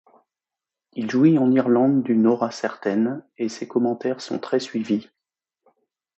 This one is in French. Il jouit en Irlande d’une aura certaine et ses commentaires sont très suivis.